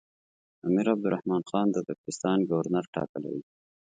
امیر عبدالرحمن خان هغه د ترکستان ګورنر ټاکلی وو.